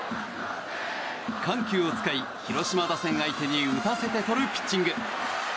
緩急を使い広島打線相手に打たせてとるピッチング。